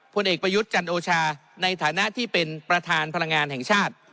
ผลเอกประยุทธ์จันโอชาในฐานะที่เป็นประธานพลังงานแห่งชาติ